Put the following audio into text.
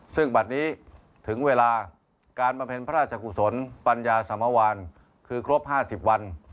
ซึ่งบัตรนี้ถึงเวลาการบำเพ็ญพระราชกุศลปัญญาสมวานคือครบ๕๐วัน